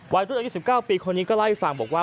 วัยรุ้นอายุ๑๙ปีคนนี้ก็ไล่ฟังบอกว่า